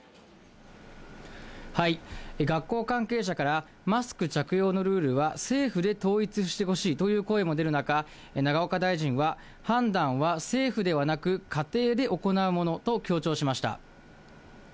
学校関係者から、マスク着用のルールは、政府で統一してほしいという声も出る中、永岡大臣は、判断は政府ではなく、家庭で行うものと強調しました。